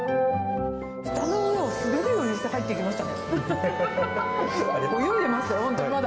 舌の上を滑るようにして入っていきました。